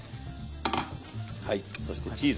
はいそしてチーズ。